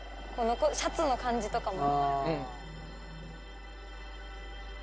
シャツの感じとかも。